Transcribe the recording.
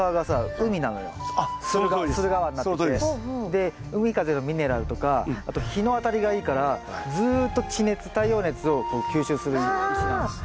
で海風のミネラルとかあと日の当たりがいいからずっと地熱太陽熱を吸収する石なんです。